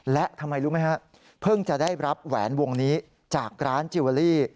และทำไมรู้ไหมฮะเพิ่งจะได้รับแหวนวงนี้จากร้านจิลเวอรี่